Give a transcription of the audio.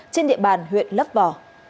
trên địa bàn huyện lấp vò